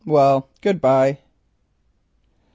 Well, good bye."